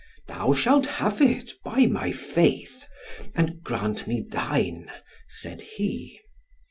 "Thou shall have it, by my faith, and grant me thine," said he.